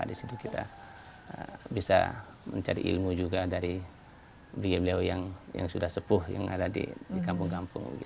di situ kita bisa mencari ilmu juga dari beliau beliau yang sudah sepuh yang ada di kampung kampung